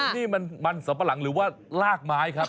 นี่มันสัมปะหลังหรือว่าลากไม้ครับ